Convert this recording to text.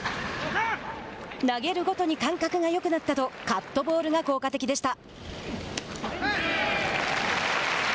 「投げるごとに感覚がよくなった」とカットボールが効果的でした。